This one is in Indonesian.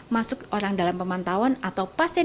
masuk orang dalam pemantauan atau pasien